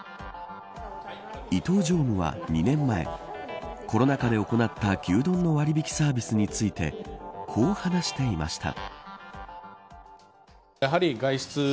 伊東常務は２年前コロナ禍で行った牛丼の割引サービスについてこう話していました。